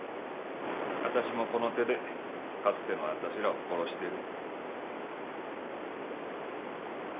あたしもこの手でかつてのあたしらを殺してる。